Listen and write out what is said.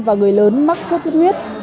và người lớn mắc suốt chút huyết